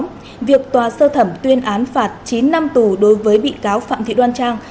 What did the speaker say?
trong đó việc tòa sơ thẩm tuyên án phạt chín năm tù đối với bị cáo phạm thị đoan trang